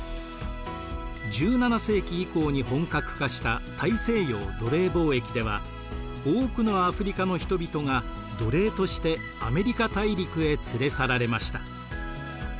１７世紀以降に本格化した大西洋奴隷貿易では多くのアフリカの人々が奴隷としてアメリカ大陸へ連れ去られました。